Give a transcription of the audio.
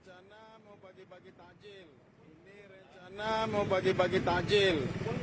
ini rencana mau bagi bagi takjil